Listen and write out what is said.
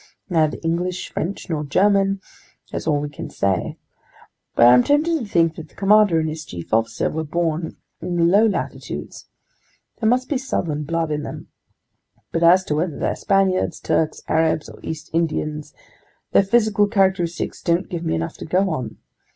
Neither English, French, nor German, that's all we can say. But I'm tempted to think that the commander and his chief officer were born in the low latitudes. There must be southern blood in them. But as to whether they're Spaniards, Turks, Arabs, or East Indians, their physical characteristics don't give me enough to go on.